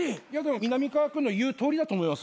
みなみかわ君の言うとおりだと思いますよ。